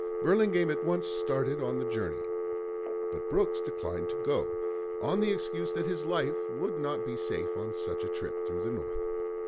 Burlingame at once started on the journey; but Brooks declined to go, on the excuse that his life would not be safe on such a trip through the North.